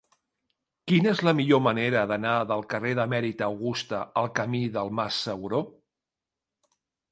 Quina és la millor manera d'anar del carrer d'Emèrita Augusta al camí del Mas Sauró?